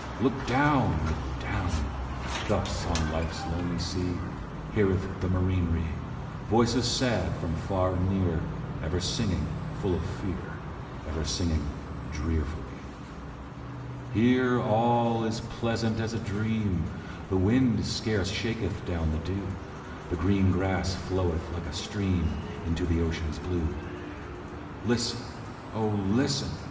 Look down! Look down! Thus on Life's lonely sea, Heareth the marinere Voices sad, from far and near, Ever singing full of fear, Ever singing drearfully. Here all is pleasant as a dream; The wind scarce shaketh down the dew, The green grass floweth like a stream Into the ocean's blue; Listen! O, listen!